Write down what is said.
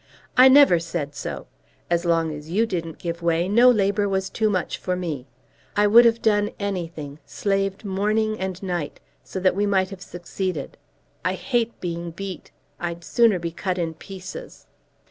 "I never said so. As long as you didn't give way no labour was too much for me. I would have done anything, slaved morning and night, so that we might have succeeded. I hate being beat. I'd sooner be cut in pieces."